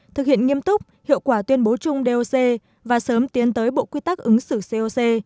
thực hiện nghiêm túc hiệu quả tuyên bố chung doc và sớm tiến tới bộ quy tắc ứng xử coc